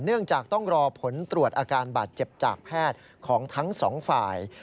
เนื่องจากต้องรอผลตรวจอาการบาดเจ็บจากแพทย์ของทั้งสองฝ่าย